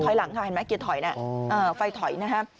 ไฟหลังค่ะเห็นไหมเกียร์ถอยนะอ่ออ่อไฟถอยนะฮะ